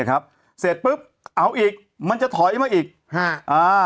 เสร็จปุ๊บเอาอีกมันจะถอยมาอีกฮะอ่า